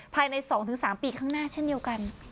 ภายใน๒๓ปีข้างหน้าเช่นเดียวกัน